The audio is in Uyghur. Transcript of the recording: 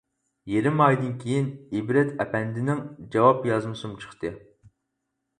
يېرىم ئايدىن كېيىن ئىبرەت ئەپەندىنىڭ جاۋاب يازمىسىمۇ چىقتى.